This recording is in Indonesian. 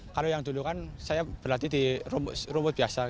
kalau yang dulu kan saya berlatih di rumput biasa